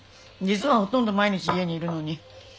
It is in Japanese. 実はほとんど毎日家にいるのに。